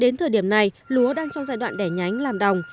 đến thời điểm này lúa đang trong giai đoạn đẻ nhánh làm đồng